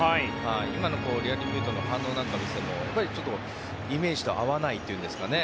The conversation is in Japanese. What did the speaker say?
今のリアルミュートの反応なんかを見ててもイメージと合わないというんですかね